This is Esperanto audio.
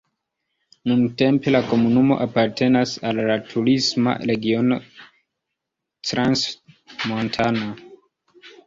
Nuntempe la komunumo apartenas al la turisma regiono Crans-Montana.